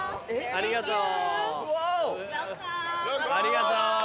ありがとう。